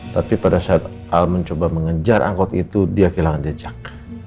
tapi pada saat al mencoba mengejar angkot itu dia kehilangan jejak